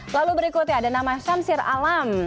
lalu berikutnya ada nama syamsir alam